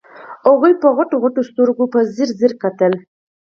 هغې په غټو غټو سترګو په ځير ځير کتل.